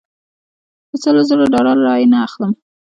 په سلو زرو ډالرو رایې نه اخلم.